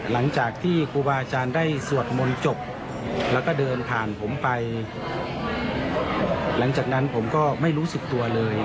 ไม่รู้สึกตัวเลยครับไม่รู้สึกตัวเลย